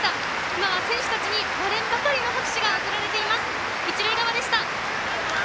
今は選手たちに割れんばかりの拍手が送られています。